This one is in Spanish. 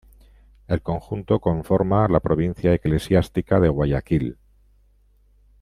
El conjunto conforma la provincia eclesiástica de Guayaquil.